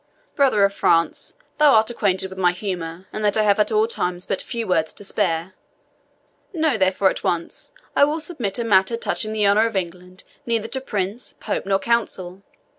Brother of France, thou art acquainted with my humour, and that I have at all times but few words to spare. Know, therefore, at once, I will submit a matter touching the honour of England neither to Prince, Pope, nor Council.